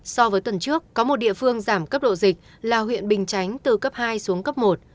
so với tuần trước có một địa phương giảm cấp độ dịch là huyện bình chánh từ cấp hai xuống cấp một